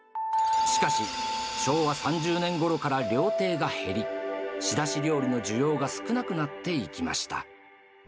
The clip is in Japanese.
しかし、昭和３０年ごろから料亭が減り、仕出し料理の需要が少なくなっていきました。